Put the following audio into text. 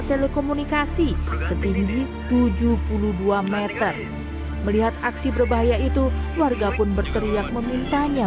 telekomunikasi setinggi tujuh puluh dua m melihat aksi berbahaya itu warga pun berteriak memintanya